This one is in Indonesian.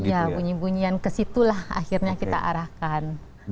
ya bunyi bunyian ke situ lah akhirnya kita arahkan